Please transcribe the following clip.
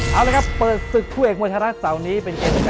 เอาเลยครับเปิด